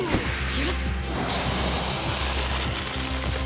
よし！